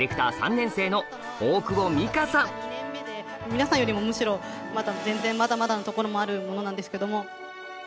皆さんよりもむしろ全然まだまだなところもある者なんですけども。